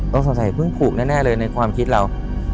สงสัยเพิ่งผูกแน่เลยในความคิดเรา